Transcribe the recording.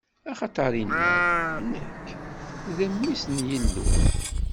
Axaṭer inna-d: Nekk, d Mmi-s n Yillu.